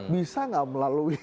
bisa nggak melalui